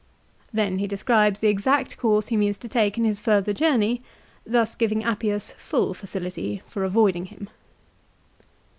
Then he describes the exact course he means to take in his further journey, thus giving Appius full facility for avoiding him.